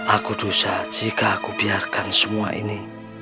aku dosa jika aku biarkan semua ini